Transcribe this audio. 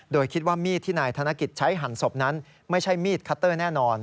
โดยคิดว่ามีดที่นายธนกิจใช้หั่นศพนั้นไม่ใช่มีดคัตเตอร์แน่นอน